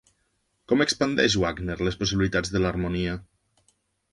Com expandeix Wagner les possibilitats de l'harmonia?